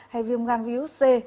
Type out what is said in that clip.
hay viêm gan virus c